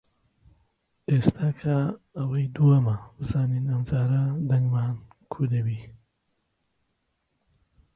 سەرم بردە بن گوێی هەباساغا: